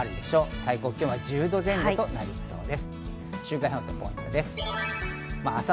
最高気温は１０度前後となりそうです。